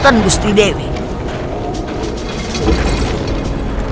kenapa kau tidak mau berv bersindik